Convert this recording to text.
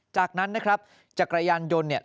จากนั้นนะครับจากกระยันต์ยนต์